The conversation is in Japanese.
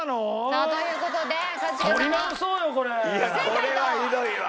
これはひどいわ。